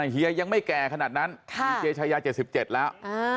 เฮียยังไม่แก่ขนาดนั้นมีเจชายา๗๗แล้ว